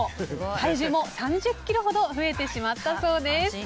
体重も３０ｋｇほど増えてしまったそうです。